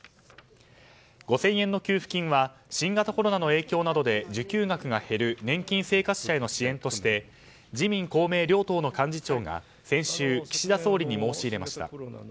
５０００円の給付金は新型コロナの影響などで受給額が減る年金生活者への支援として自民・公明両党の幹事長が先週、岸田総理に申し出ました。